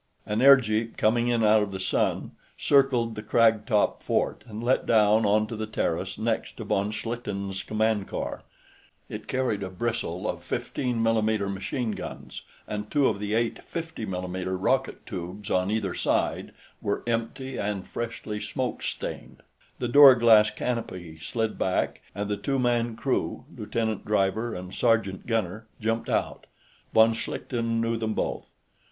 An airjeep, coming in out of the sun, circled the crag top fort and let down onto the terrace next to von Schlichten's command car. It carried a bristle of 15 mm machine guns, and two of the eight 50 mm rocket tubes on either side were empty and freshly smoke stained. The duraglass canopy slid back, and the two man crew lieutenant driver and sergeant gunner jumped out. Von Schlichten knew them both.